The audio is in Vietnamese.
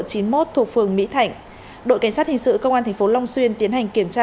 thuộc phường mỹ thạnh đội cảnh sát hình sự công an tp long xuyên tiến hành kiểm tra